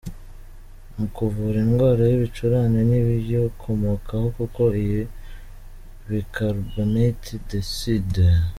mu kuvura indwara y’ibicurane n’ibiyikomokaho kuko iyi bicarbonate de soude,